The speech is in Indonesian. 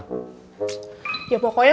ya pokoknya gue gak mau sekamar sama lo